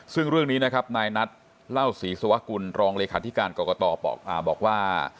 ซึ่งเรื่องนี้นะครับนายนัทเล่าศรีสวกุลรองเลขาธิการกรกตบอกว่า